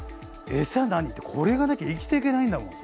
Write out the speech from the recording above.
餌何ってこれがなきゃ生きていけないんだもん。